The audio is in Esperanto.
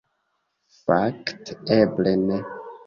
Fakte, eble ne.